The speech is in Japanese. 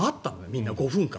みんな５分間。